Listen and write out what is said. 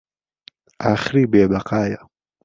ئاخری بێبهقایه